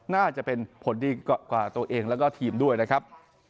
น่าจะเป็นผลดีกว่าตัวเองแล้วก็ทีมด้วยนะครับ